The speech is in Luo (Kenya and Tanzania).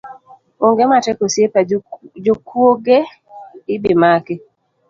Onge matek osiepa, jokuoge ibimaki